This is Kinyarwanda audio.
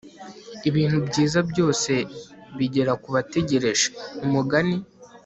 ibintu byiza byose bigera kubategereje. - umugani